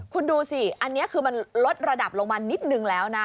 คุณดูสิอันนี้คือมันลดระดับลงมานิดนึงแล้วนะ